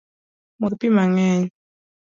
Modh pii mang’eny